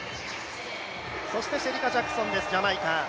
シェリカ・ジャクソンです、ジャマイカ。